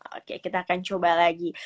oke kita akan coba lagi